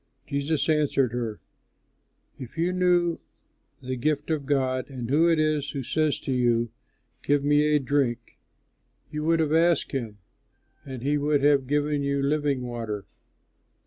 Jesus answered her, "If you knew the gift of God and who it is who says to you, 'Give me a drink,' you would have asked him and he would have given you living water."